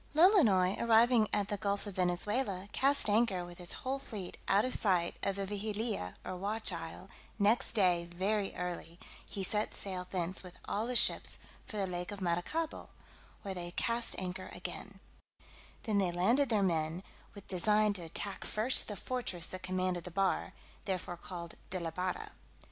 Lolonois arriving at the gulf of Venezuela, cast anchor with his whole fleet out of sight of the Vigilia or Watch Isle; next day very early he set sail thence with all his ships for the lake of Maracaibo, where they cast anchor again; then they landed their men, with design to attack first the fortress that commanded the bar, therefore called de la barra.